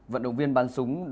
vận động viên văn súng